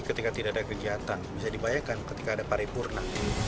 jadi ketika tidak ada kegiatan bisa dibayangkan ketika ada paripurna